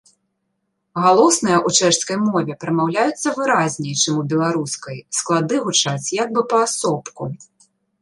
Галосныя ў чэшскай мове прамаўляюцца выразней, чым у беларускай, склады гучаць як бы паасобку.